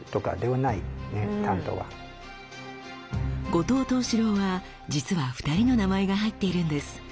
「後藤藤四郎」は実は２人の名前が入っているんです。